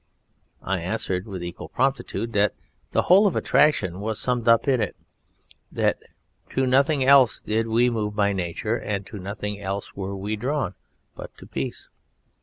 I answered with equal promptitude that the whole of attraction was summed up in it: that to nothing else did we move by nature, and to nothing else were we drawn but to Peace.